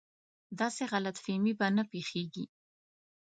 داسې غلط فهمي به نه پېښېږي.